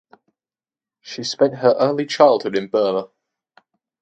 She spent her early childhood in Burma.